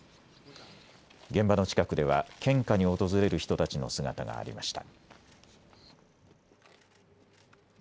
現場の近くでは献花に訪れる人たちの姿がありました。